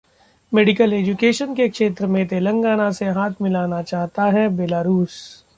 medical education के क्षेत्र में तेलंगाना से हाथ मिलाना चाहता है बेलारूस